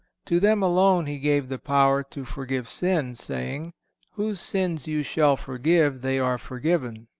To them alone He gave the power to forgive sins, saying: "Whose sins you shall forgive, they are forgiven."